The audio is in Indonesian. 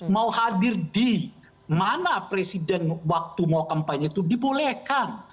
mau hadir di mana presiden waktu mau kampanye itu dibolehkan